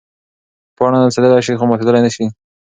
پاڼه نڅېدلی شي خو ماتېدلی نه شي.